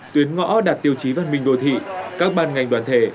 tuyến ngõ đạt tiêu chí văn minh đô thị các ban ngành đoàn thể